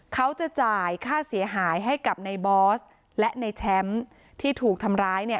เขาจะจ่ายค่าเสียหายให้กับในบอสและในแชมป์ที่ถูกทำร้ายเนี่ย